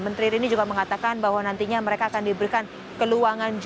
menteri reni juga mengatakan bahwa nantinya mereka akan diberikan